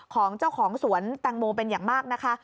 ของเจ้าของสวนแตงโมเป็นอย่างมากนะคะ